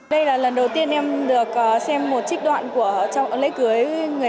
đây là lần đầu tiên em được xem một trích đoạn của lễ cưới